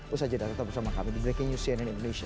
usaha jeda tetap bersama kami di breaking news cnn indonesia